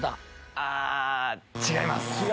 違います。